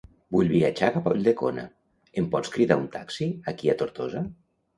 Vull viatjar cap a Ulldecona; em pots cridar un taxi aquí a Tortosa?